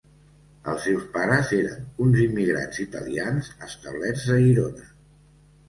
Els seus pares eren uns immigrants italians establerts a Girona.